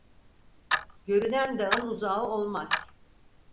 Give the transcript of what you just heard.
Görünen dağın uzağı olmaz.